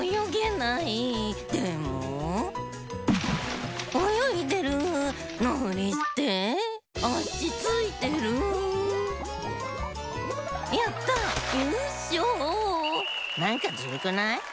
なんかズルくない？